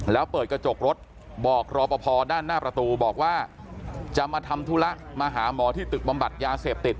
แล้วเปิดกระจกรถบอกรอปภด้านหน้าประตูบอกว่าจะมาทำธุระมาหาหมอที่ตึกบำบัดยาเสพติด